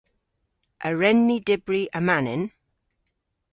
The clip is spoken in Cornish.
A wren ni dybri amanen?